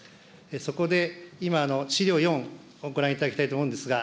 そこで、今、資料４をご覧いただきたいと思うんですが、